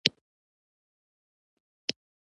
د بهرنۍ پانګونې په جلبولو کې لوی رول لري.